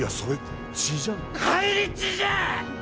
返り血じゃ！